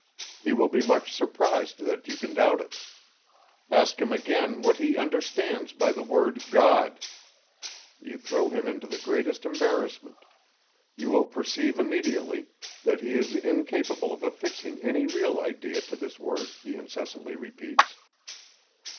He will be much surprised that you can doubt it. Ask him again, what he understands by the word God. You throw him into the greatest embarrassment; you will perceive immediately, that he is incapable of affixing any real idea to this word, he incessantly repeats.